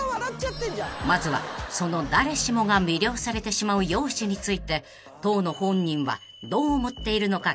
［まずはその誰しもが魅了されてしまう容姿について当の本人はどう思っているのか聞いてみることに］